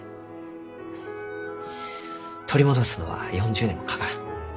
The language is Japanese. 取り戻すのは４０年もかからん。